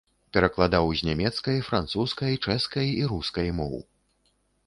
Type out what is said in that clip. Перакладаў з нямецкай, французскай, чэшскай і рускай моў.